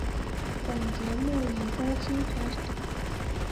本节目以高清拍摄。